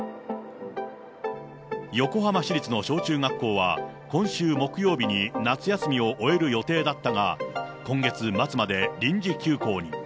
横浜市立の小中学校は今週木曜日に夏休みを終える予定だったが、今月末まで臨時休校に。